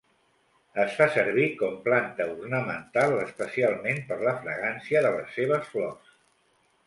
Es fa servir com planta ornamental especialment per la fragància de les seves flors.